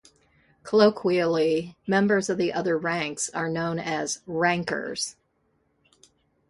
Colloquially, members of the other ranks are known as "rankers".